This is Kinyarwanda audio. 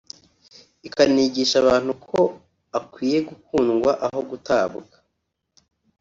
ikanigisha abantu ko akwiye gukundwa aho gutabwa